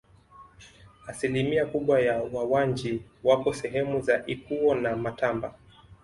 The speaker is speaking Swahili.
Asilimia kubwa ya Wawanji wapo sehemu za Ikuwo na Matamba